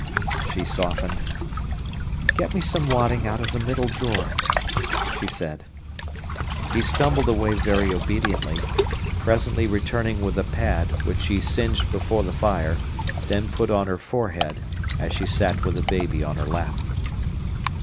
She softened: "Get me some wadding out of the middle drawer," she said. He stumbled away very obediently, presently returning with a pad, which she singed before the fire, then put on her forehead, as she sat with the baby on her lap.